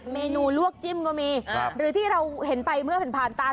เมนูลวกจิ้มก็มีหรือที่เราเห็นไปเมื่อผ่านผ่านตา